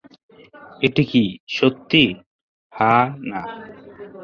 এটা কি সত্যি, হা-না?